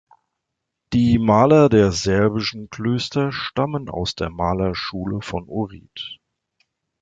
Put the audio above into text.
Die Maler der serbischen Klöster stammen aus der Malerschule von Ohrid.